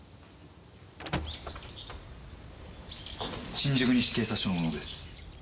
新宿西警察署の者です。